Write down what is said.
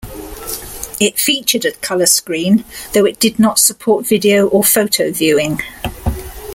It featured a color screen, though it did not support video or photo viewing.